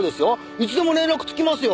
いつでも連絡つきますよ。